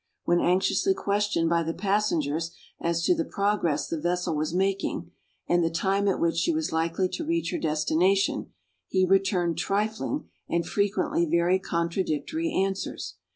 When anxiously questioned by the passengers, as to the progress the vessel was making, and the time at which she was likely to reach her destination, he returned trifling, and frequently very contradictory answers.